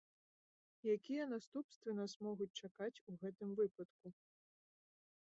Якія наступствы нас могуць чакаць у гэтым выпадку?